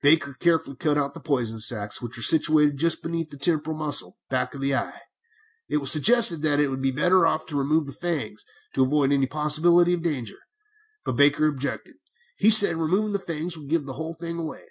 Baker carefully cut out the poison sacs, which are situated just beneath the temporal muscle, back of the eye. It was suggested that it would be better to remove the fangs, to avoid any possibility of danger; but Baker objected, as he said removing the fangs would give the whole thing away.